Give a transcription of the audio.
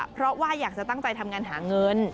เพราะว่าอยากจะตั้งใจทำงานหาเงิน